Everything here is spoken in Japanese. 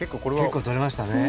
結構とれましたね。